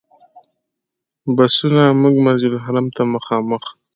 بسونو موږ مسجدالحرام ته مخامخ.